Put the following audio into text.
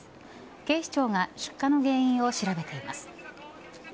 警視庁は出火の原因を調べています。